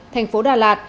thành phố đà lạt